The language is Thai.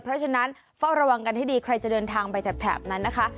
เพราะฉะนั้นเฝ้าระวังกันให้ดีใครจะเดินทางไปแถบนั้นนะคะ